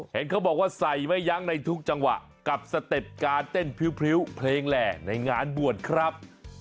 เห็นเขาบอกว่าใส่ไม่ยั้งในทุกจังหวะกับสเต็ปการเต้นพริ้วเพลงแหล่ในงานบวชครับ